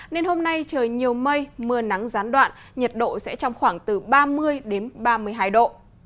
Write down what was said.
nên hôm nay trời nhiều mây mưa nắng gián đoạn nhiệt độ sẽ trong khoảng từ ba mươi ba mươi hai độ